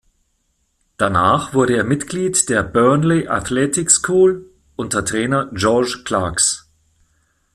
Danach wurde er Mitglied der "Burnley Athletics School" unter Trainer Georges Clarkes.